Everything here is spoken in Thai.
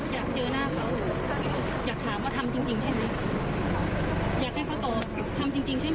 อยากเจอหน้าเขาอยากถามว่าทำจริงจริงใช่ไหม